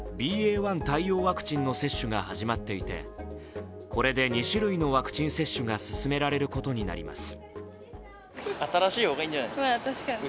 １対応ワクチンの接種が始まっていて、これで２種類のワクチン接種が進められることになります。